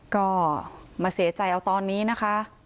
ก็มาเสียใจเอาตอนนี้นะคะ